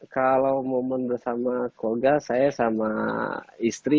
kalau momen bersama koga saya sama istri